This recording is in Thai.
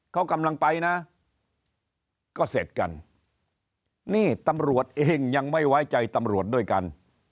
เขากำลังไปนะก็เสร็จกันนี่ตำรวจเองยังไม่ไว้ใจตำรวจด้วยกัน